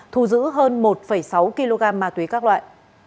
thu giữ hơn một sáu kg ma túy các loại